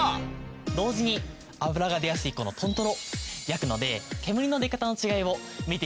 同時に脂が出やすいこの豚トロを焼くので煙の出方の違いを見ていきましょう。